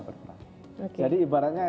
berperan jadi ibaratnya